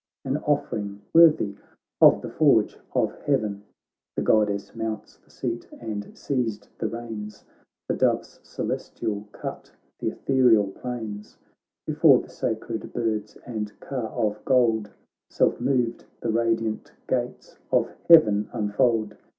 An offering worthy of the forge of heaven. The Goddess mounts the seat and seized the reins. The doves celestial cut th' aerial plains ; Before the sacred birds and car of gold Self moved the radiant gates of heaven unfold.